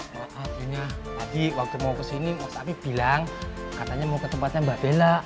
maaf ya adik waktu mau kesini mas ape bilang katanya mau ke tempatnya mbak bella